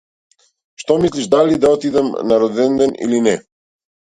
Што мислиш дали да отидам на роденден или не?